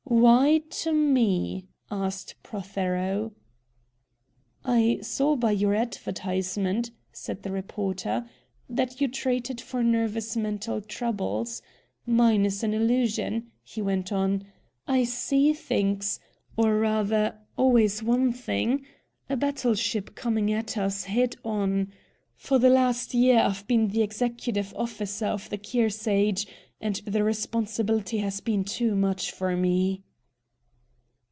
"Why to ME?" asked Prothero. "I saw by your advertisement," said the reporter, "that you treated for nervous mental troubles. Mine is an illusion," he went on. "I see things, or, rather, always one thing a battle ship coming at us head on. For the last year I've been executive officer of the KEARSARGE, and the responsibility has been too much for me."